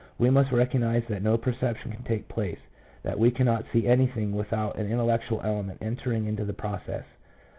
We must recognize that no perception can take place, that we cannot see anything without an intellectual element entering into the process.